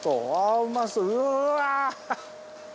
おうまそううわぁ！